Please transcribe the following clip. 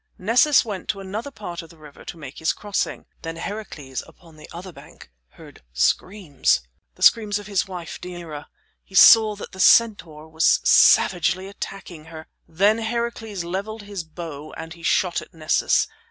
Nessus went to another part of the river to make his crossing. Then Heracles, upon the other bank, heard screams the screams of his wife, Deianira. He saw that the centaur was savagely attacking her. Then Heracles leveled his bow and he shot at Nessus.